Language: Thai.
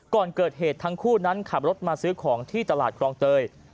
ก่อนเกิดเหตุทั้งคู่นั้นขับรถมาซื้อของที่ตลาดครองเตย